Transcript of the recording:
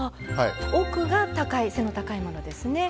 奥が背の高いものですね。